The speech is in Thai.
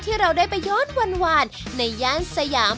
ที่เราได้ไปโยนวันในย่านสยาม